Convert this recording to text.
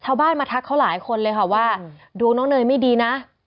ชาวบ้านมาทักเขาหลายคนเลยค่ะว่าดวงน้องเนยไม่ดีนะ